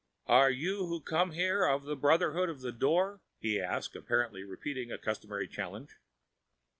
"Are you who come here of the Brotherhood of the Door?" he asked, apparently repeating a customary challenge.